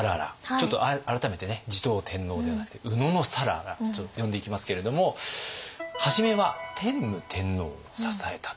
ちょっと改めてね持統天皇ではなくて野讃良と呼んでいきますけれども初めは天武天皇を支えたと。